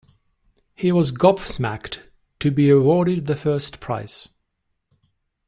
He was gobsmacked to be awarded the first prize.